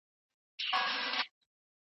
د خطاوتلي د طلاق په حکم کي فقهاء اختلاف لري: